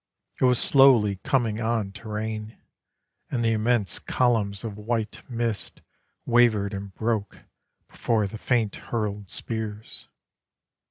It was slowly coming on to rain, And the immense columns of white mist Wavered and broke before the faint hurled spears.